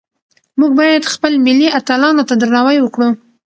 موږ باید خپل ملي اتلانو ته درناوی وکړو.